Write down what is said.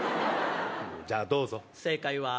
じゃあ、どうぞ。